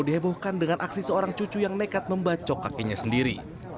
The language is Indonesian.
dihebohkan dengan aksi seorang cucu yang nekat membacok kakinya sendiri